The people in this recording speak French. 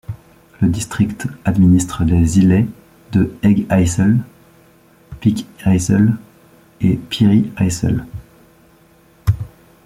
Le district administre les îlets de Egg Isle, Peak Isle et Speery Isle.